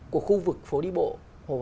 của khu vực phố đi bộ hồ hoàn kiếm